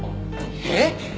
えっ！？